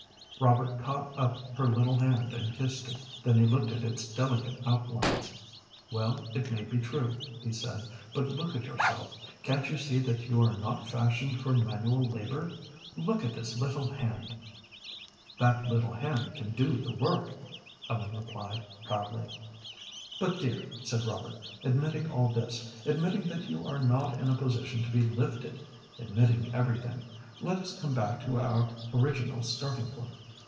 Robert caught up her little hand and kissed it. Then he looked at its delicate outlines. "Well, it may be true," he said, "but look at yourself. Can't you see that you are not fashioned for manual labor? Look at this little hand." "That little hand can do the work," Ellen replied, proudly. "But, dear," said Robert, "admitting all this, admitting that you are not in a position to be lifted admitting everything let us come back to our original starting point.